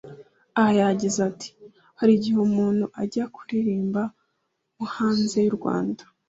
Aha yagize ati “Hari igihe umuntu ajya kuririmba nko hanze y’u Rwanda